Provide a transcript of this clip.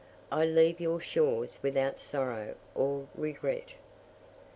I leave your shores without sorrow or regret.